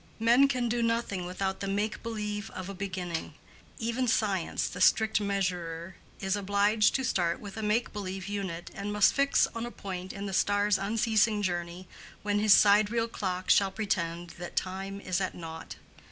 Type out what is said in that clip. Men can do nothing without the make believe of a beginning. Even science, the strict measurer, is obliged to start with a make believe unit, and must fix on a point in the stars' unceasing journey when his sidereal clock shall pretend that time is at Nought.